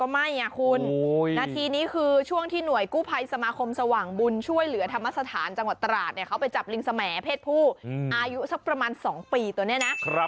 หื้อนึกว่างูเข้าแต่เหล้าลิงก็เข้าเหล้าเหรอ